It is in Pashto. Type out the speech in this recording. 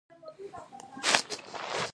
دغه تارونه په يوه بټن پورې نښلوو.